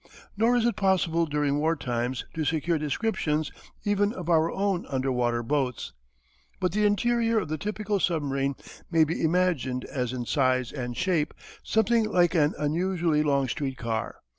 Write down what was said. Nor is it possible during wartimes to secure descriptions even of our own underwater boats. But the interior of the typical submarine may be imagined as in size and shape something like an unusually long street car.